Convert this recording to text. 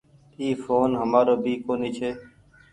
اي ڦون همآرو ڀي ڪونيٚ ڇي ۔